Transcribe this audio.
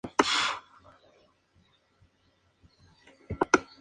Station Zone.